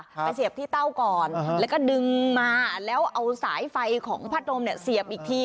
ไปเสียบที่เต้าก่อนแล้วก็ดึงมาแล้วเอาสายไฟของพัดลมเนี่ยเสียบอีกที